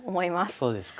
そうですか。